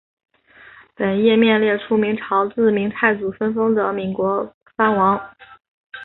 本页面列出明朝自明太祖分封的岷国藩王。